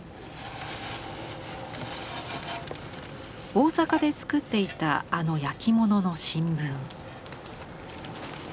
大阪で作っていたあの焼き物の新聞。